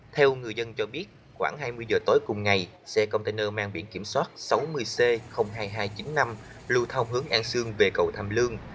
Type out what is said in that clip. theo người dân cho biết khoảng hai mươi giờ tối cùng ngày xe container mang biển kiểm soát sáu mươi c hai nghìn hai trăm chín mươi năm lưu thông hướng an sương về cầu tham lương